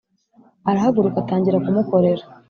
arahaguruka atangira kumukorera